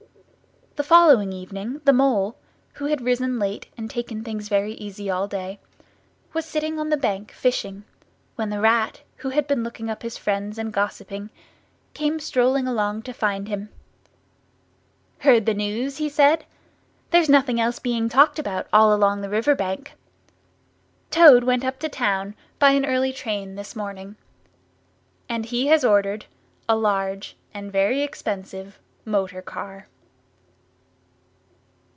The following evening the Mole, who had risen late and taken things very easy all day, was sitting on the bank fishing, when the Rat, who had been looking up his friends and gossiping, came strolling along to find him. "Heard the news?" he said. "There's nothing else being talked about, all along the river bank. Toad went up to Town by an early train this morning. And he has ordered a large and very expensive motor car."